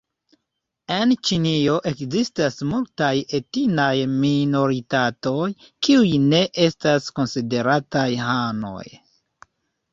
En Ĉinio ekzistas multaj etnaj minoritatoj, kiuj ne estas konsiderataj hanoj.